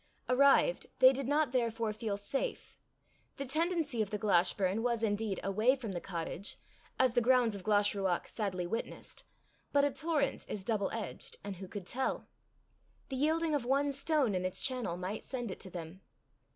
Arrived, they did not therefore feel safe. The tendency of the Glashburn was indeed away from the cottage, as the grounds of Glashruach sadly witnessed; but a torrent is double edged, and who could tell? The yielding of one stone in its channel might send it to them.